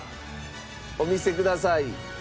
お見せください。